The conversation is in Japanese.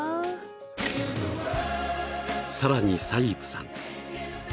［さらにサイープさん］